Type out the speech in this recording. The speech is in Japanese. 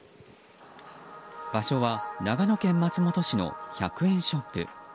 場所は長野県松本市の１００円ショップ。